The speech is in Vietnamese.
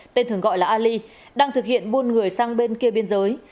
tên thường gọi là ali đang thực hiện buôn người sang bên kia biên giới